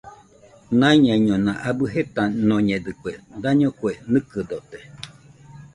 Naiñaiñona abɨ jetanoñedɨkue, daño kue nɨkɨdote